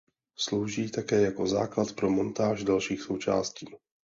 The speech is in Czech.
Slouží také jako základ pro montáž dalších součástí.